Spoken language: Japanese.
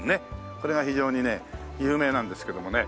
これが非常にね有名なんですけどもね。